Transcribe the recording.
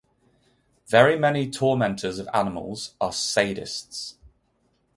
Very many tormentors of animals are sadists.